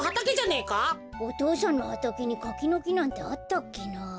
お父さんのはたけにかきのきなんてあったっけな？